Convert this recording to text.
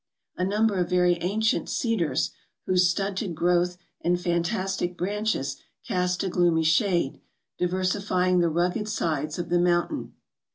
A number of very ancient cedars, whose stunted growth and fantastic branches cast a gloomy shade, diversifying the rugged sides of the mountain.